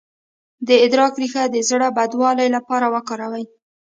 د ادرک ریښه د زړه بدوالي لپاره وکاروئ